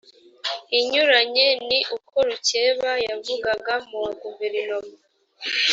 inyuranye ni ko rukeba yavugaga mu wa guverinoma